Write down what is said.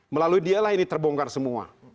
melalui dialah ini terbongkar semua